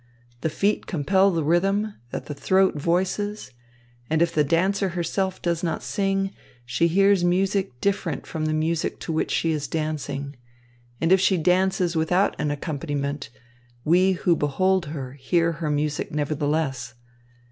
The feet compel the rhythm that the throat voices; and if the dancer herself does not sing, she hears music different from the music to which she is dancing, and if she dances without an accompaniment, we who behold her hear her music nevertheless.